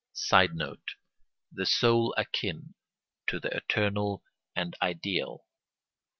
[Sidenote: The soul akin to the eternal and ideal.